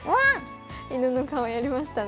犬の顔やりましたね